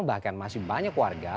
bahkan masih banyak warga